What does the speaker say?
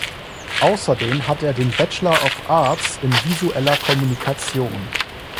Außerdem hat er den Bachelor of Arts in visueller Kommunikation.